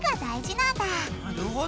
なるほど。